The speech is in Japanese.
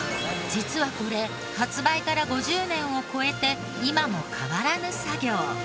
実はこれ発売から５０年を超えて今も変わらぬ作業。